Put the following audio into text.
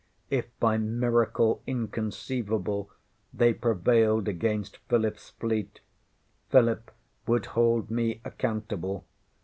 If by miracle inconceivable they prevailed against PhilipŌĆÖs fleet, Philip would hold me accountable.